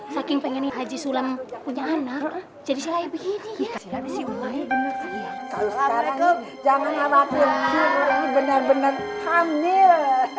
saking pengen haji sulam punya anak jadi saya begini ya bener bener hamil